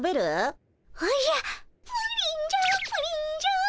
プリンじゃプリンじゃ。